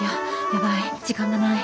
やばい時間がない。